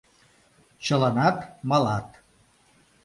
Чыланат малат.